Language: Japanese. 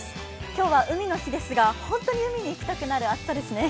今日は海の日ですが、本当に海に行きたくなる暑さですね。